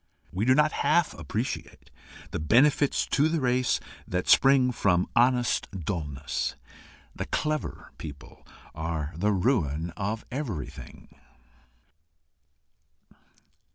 We do not half appreciate the benefits to the race that spring from honest dulness. The CLEVER people are the ruin of everything.